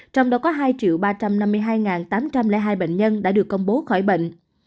trong đó có hai ba trăm năm mươi hai tám trăm linh hai bệnh nhân đã được công bố khỏi bệnh